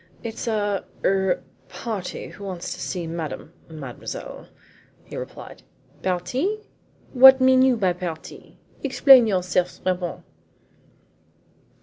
"It's a er er party who wants to see Madam, mademoiselle," he replied. "Parti? What mean you by parti? Explain yourself, Trappon."